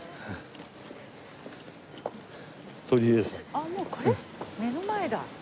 あっもう目の前だ。